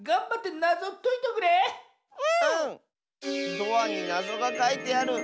ドアになぞがかいてある！